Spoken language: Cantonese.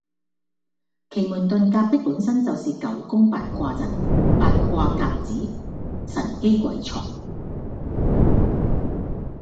奇門遁甲的本身就是九宮八卦陣。“八卦甲子，神機鬼藏”